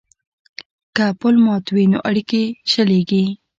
که پل مات وي نو اړیکې شلیږي.